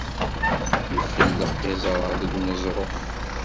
Ifelleq iẓra deg uneẓruf.